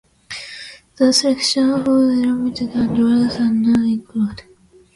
The selection food is limited, and drinks are not included.